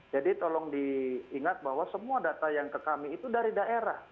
jadi tolong diingat bahwa semua data yang ke kami itu dari daerah